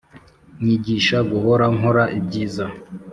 Nyigisha guhora nkora ibyiza